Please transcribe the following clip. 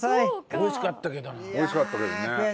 美味しかったけどね。